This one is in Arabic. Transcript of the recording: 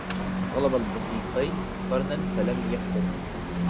طلب البيهقي قرنا فلم يحرمه